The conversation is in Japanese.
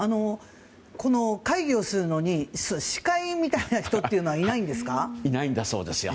この会議をするのに司会みたいな人というのはいないんですか？